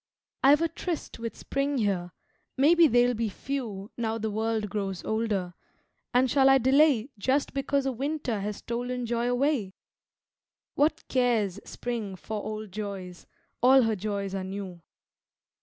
I've a tryst with Spring here maybe they'll be few Now the world grows older and shall I delay Just because a Winter has stolen joy away? What cares Spring for old joys, all her joys are new.